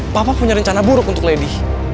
papa punya rencana buruk untuk lady